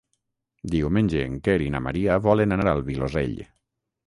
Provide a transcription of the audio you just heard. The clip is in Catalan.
Diumenge en Quer i na Maria volen anar al Vilosell.